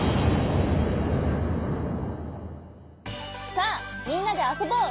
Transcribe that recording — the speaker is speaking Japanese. さあみんなであそぼう！